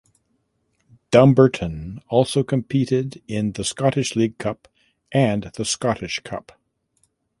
Dumbarton also competed in the Scottish League Cup and the Scottish Cup.